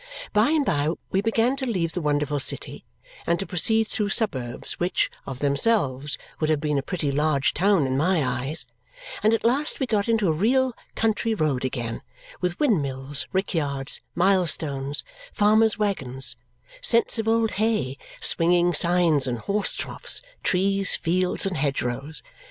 By and by we began to leave the wonderful city and to proceed through suburbs which, of themselves, would have made a pretty large town in my eyes; and at last we got into a real country road again, with windmills, rick yards, milestones, farmers' waggons, scents of old hay, swinging signs, and horse troughs: trees, fields, and hedge rows.